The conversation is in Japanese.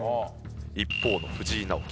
一方の藤井直樹